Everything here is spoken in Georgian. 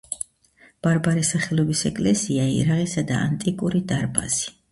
ბარბარეს სახელობის ეკლესია, იარაღისა და ანტიკური დარბაზი.